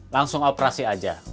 langsung operasi aja